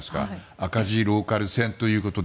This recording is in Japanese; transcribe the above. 赤字ローカル線ということで。